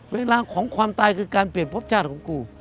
เวลาของความตายคือการเปลี่ยนพบชาติของกู